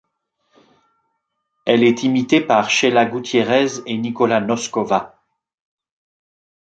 Elle est imitée par Sheyla Gutierrez et Nikola Noskova.